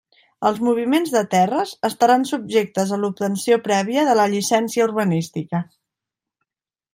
Els moviments de terres estaran subjectes a l'obtenció prèvia de la llicència urbanística.